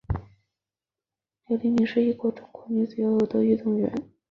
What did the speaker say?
刘黎敏是一名中国女子游泳运动员。